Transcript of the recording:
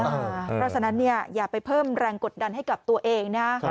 เพราะฉะนั้นอย่าไปเพิ่มแรงกดดันให้กับตัวเองนะ